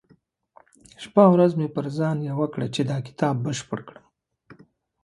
شپه او ورځ مې پر ځان يوه کړه چې دا کتاب بشپړ کړم.